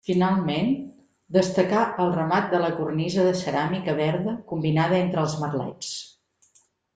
Finalment, destacar el remat de la cornisa de ceràmica verda combinada entre els merlets.